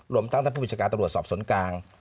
รวมทั้งท่านผู้บัญชาการตำรวจสอบสวนกลาง